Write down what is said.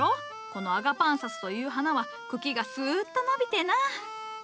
このアガパンサスという花は茎がスーッと伸びてな。